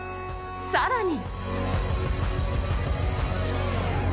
更に。